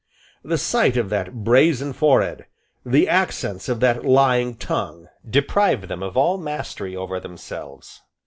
The sight of that brazen forehead, the accents of that lying tongue, deprived them of all mastery over themselves.